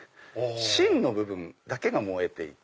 芯の部分だけが燃えていて。